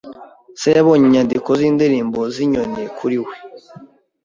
Se yabonye inyandiko zindirimbo zinyoni kuri we.